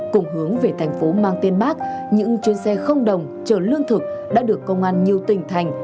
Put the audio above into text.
cùng hướng về thành phố mang tên bác những chuyến xe không đồng trở lương thực đã được công an nhiều tỉnh thành